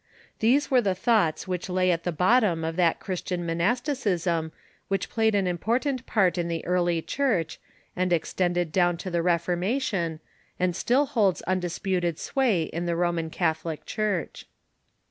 These were the thoughts which lay at the bottom of that Christian monasticism which played an important part in the early Church, and extended down to the Reformation, and still holds undisputed sway in the Roman Catholic Church.